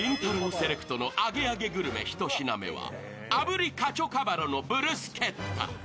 セレクトのアゲアゲグルメひと品目は炙りカチョカヴァロのブルスケッタ。